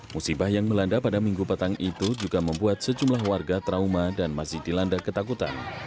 musibah yang melanda pada minggu petang itu juga membuat sejumlah warga trauma dan masih dilanda ketakutan